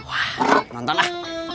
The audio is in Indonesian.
wah nonton lah